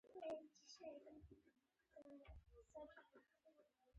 که یې فرصت وموند چاپ دې کاندي.